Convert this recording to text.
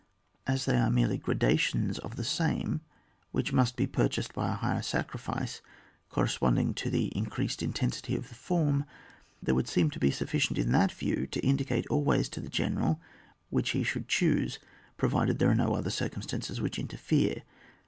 As they are merely gradations of the same which must be purchased by a higher sacrifice, corresponding to the in creased intensity of the form, there would seem to be sufficient in that view to in dicate always to the general which he should choose, provided there are no other circumstances which interfere.